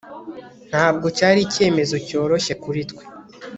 ntabwo cyari icyemezo cyoroshye kuri twe